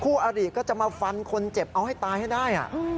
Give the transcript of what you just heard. อาริก็จะมาฟันคนเจ็บเอาให้ตายให้ได้